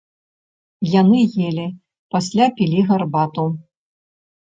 Яны елі, пасля пілі гарбату.